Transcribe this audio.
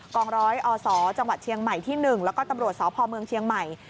องร้อยอศจังหวัดเชียงใหม่ที่๑แล้วก็ตำรวจสพเมืองเชียงใหม่